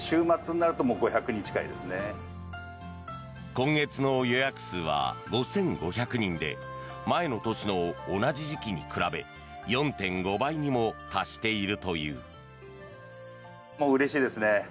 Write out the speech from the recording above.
今月の予約数は５５００人で前の年の同じ時期に比べ４．５倍にも達しているという。